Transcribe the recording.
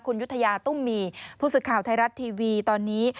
คุณยุธยาตุ้มมีผู้สื่อข่าวไทยรัฐทีวีตอนนี้